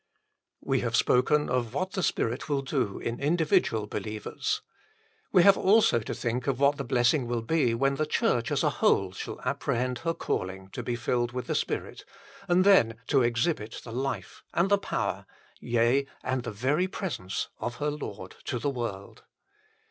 We have spoken of what the Spirit will do in individual believers. We have also to think of what the blessing will be when the Church 1 John vii. 38. 32 THE FULL BLESSING OF PENTECOST as a whole shall apprehend her calling to be filled with the Spirit, and then to exhibit the life and the power yea, and the very presence of her Lord to the world.